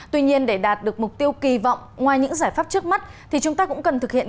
tuy nhiên để đạt được mục tiêu kỳ vọng ngoài những giải pháp trước mắt thì chúng ta cũng cần thực hiện